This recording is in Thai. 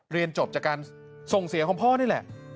เรียนจบจากการส่งเสียของพ่อนี่แหละ